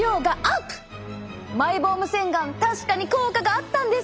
マイボーム洗顔確かに効果があったんです！